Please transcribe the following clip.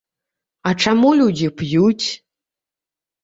А чаму людзі п'юць?